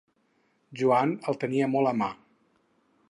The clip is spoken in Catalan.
Joan el tenia molt a mà.